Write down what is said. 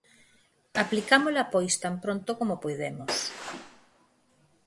Aplicámola pois tan pronto como puidemos.